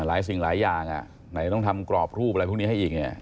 สิ่งหลายอย่างไหนต้องทำกรอบรูปอะไรพวกนี้ให้อีก